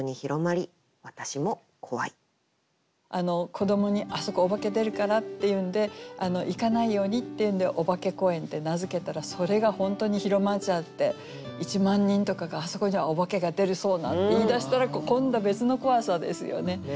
子どもに「あそこおばけ出るから」っていうんで行かないようにっていうんで「おばけ公園」って名付けたらそれが本当に広まっちゃって１万人とかが「あそこにはおばけが出るそうな」って言い出したら今度別の怖さですよね。